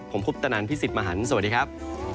ผมพุทธนันทร์พี่สิทธิ์มหานสวัสดีครับ